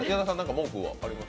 文句はあります？